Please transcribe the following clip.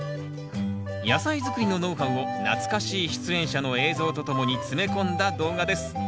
野菜作りのノウハウを懐かしい出演者の映像とともに詰め込んだ動画です